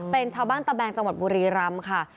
เป็นชาวบ้านตะแบงจังหวัดบุรีรำค่ะ